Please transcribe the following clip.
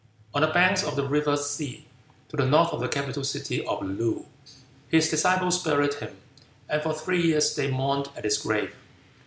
On the banks of the river Sze, to the north of the capital city of Loo, his disciples buried him, and for three years they mourned at his grave.